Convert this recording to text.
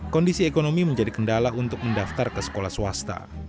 kondisi ekonomi menjadi kendala untuk mendaftar ke sekolah swasta